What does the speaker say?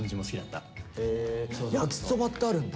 焼きそばってあるんだ。